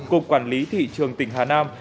cục quản lý thị trường tỉnh hà nam